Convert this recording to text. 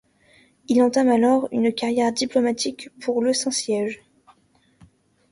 Il entame alors une carrière diplomatique pour le Saint-Siège.